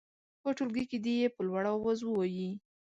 په ټولګي کې دې یې په لوړ اواز ووايي.